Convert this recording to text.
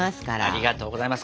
ありがとうございます。